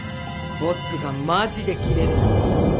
ボスがマジでキレる。